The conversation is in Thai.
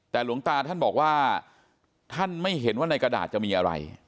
แต่หลวงตาท่านบอกว่าท่านไม่เห็นว่าในกระดาษจะมีอะไร